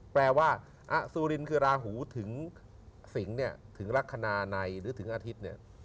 แปลว่าอสุรินคือราหูถึงสิงศ์เนี่ยถึงลักษณะในหรือถึงอาทิตย์เนี่ย